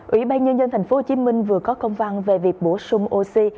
ủy ban nhân dân tp hcm vừa có công văn về việc bổ sung oxy